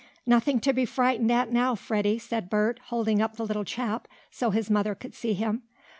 "Nothing to be frightened at now, Freddie," said Bert, holding up the little chap, so his mother could see him.